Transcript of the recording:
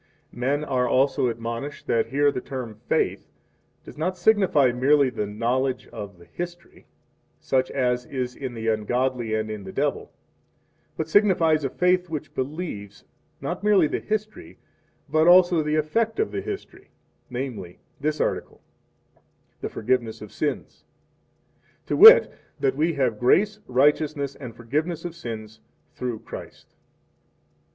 23 Men are also admonished that here the term "faith" does not signify merely the knowledge of the history, such as is in the ungodly and in the devil, but signifies a faith which believes, not merely the history, but also the effect of the history—namely, this article: the forgiveness of sins, to wit, that we have grace, righteousness, and forgiveness of sins through Christ.